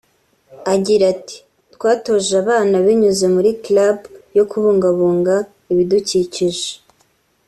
agira ati “Twatoje abana binyuze muri Club yo kubungabunga ibidukikije